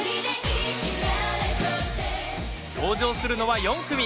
登場するのは４組！